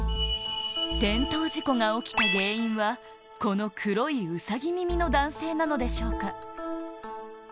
転倒事故が起きた原因は、この黒いウサギ耳の男性なのでしょうか。